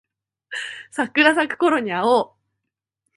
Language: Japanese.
桜咲くころに会おう